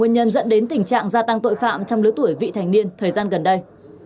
mỗi khi cần tiền ăn uống hoặc chơi game là rủ nhau đi cướp